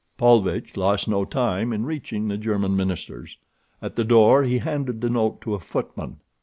Paulvitch lost no time in reaching the German minister's. At the door he handed the note to a footman.